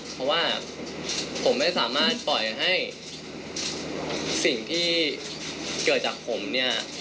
เพราะว่าผมไม่สามารถปล่อยให้สิ่งที่เกิดจากผมเนี่ย